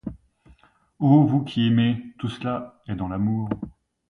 Ô vous qui vous aimez, tout cela est dans l'amour.